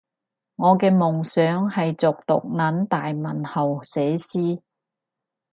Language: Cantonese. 我嘅夢想係做毒撚大文豪寫詩